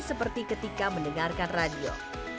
seperti ketika mendengarkan radio